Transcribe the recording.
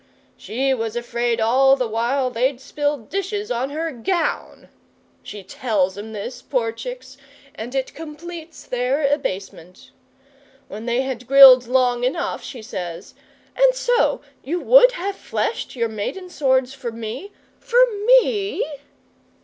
She was afraid all the while they'd spill dishes on her gown. She tells 'em this, poor chicks and it completes their abasement. When they had grilled long enough, she says: "And so you would have fleshed your maiden swords for me for me?"